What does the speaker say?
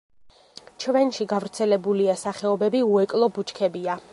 ჩვენში გავრცელებულია სახეობები უეკლო ბუჩქებია.